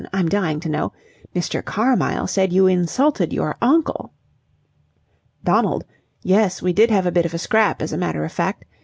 I'm dying to know. Mr. Carmyle said you insulted your uncle!" "Donald. Yes, we did have a bit of a scrap, as a matter of fact.